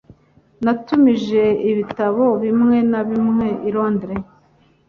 Natumije ibitabo bimwe na bimwe i Londres.